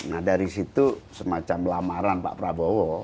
nah dari situ semacam lamaran pak prabowo